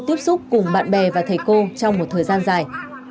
tiếp xúc cùng bạn bè và thầy cô trong một thời gian dài